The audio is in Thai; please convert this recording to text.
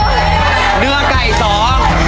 ชุดที่๔ข้าวเหนียว๒ห้อชุดที่๔